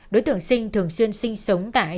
đối tượng sinh thường xuyên sinh sống tại